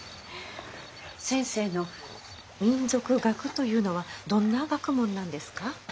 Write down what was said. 先生の民俗学というのはどんな学問なんですか？